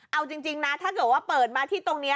เอาจริงนะถ้าเกิดว่าเปิดมาที่ตรงนี้